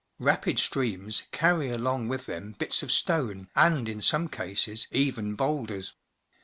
Rapid streams carry along with them bits of stone, and in some cases, even boulders.